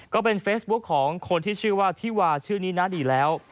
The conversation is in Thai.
ก็เป็นเฟซบุ๊คของคนที่ชื่อว่าที่วาชื่อนี้นะดีแล้ว